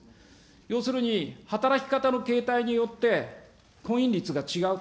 要するに、働き方の形態によって婚姻率が違う。